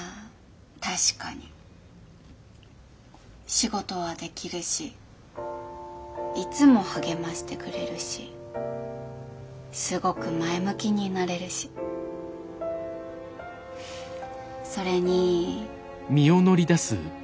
仕事はできるしいつも励ましてくれるしすごく前向きになれるしそれに。